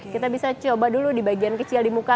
kita bisa coba dulu di bagian kecil di muka